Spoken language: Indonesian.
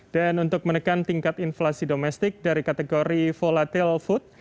dan untuk menekan tingkat inflasi domestik dari kategori volatile food